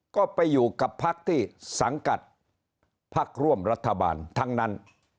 ก็ไปอยู่กับพักที่สังกัดพักร่วมรัฐบาลทั้งนั้น